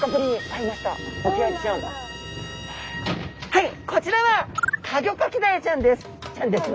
はいこちらはカギョカキダイちゃんです。